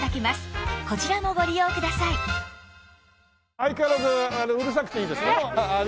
相変わらずうるさくていいです。